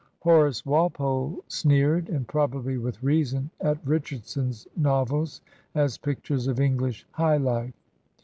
Horace Walpole sneered, and probably with reason, at Richardson's novels as pictures of English high life.